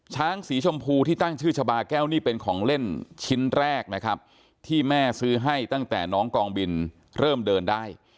ช้างสีชมพูที่ตั้งชื่อชาบาแก้วนี่เป็นของเล่นชิ้นแรกนะครับที่แม่ซื้อให้ตั้งแต่น้องกองบินเริ่มเดินได้